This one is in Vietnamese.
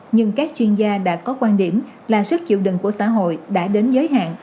nhưng các chuyên gia đã có quan điểm là sức chịu đựng của xã hội đã đến giới hạn